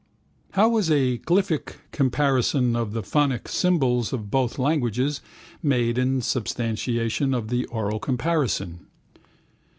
How was a glyphic comparison of the phonic symbols of both languages made in substantiation of the oral comparison?